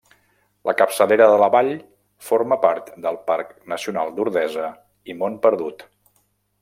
La capçalera de la vall forma part del Parc Nacional d'Ordesa i Mont Perdut.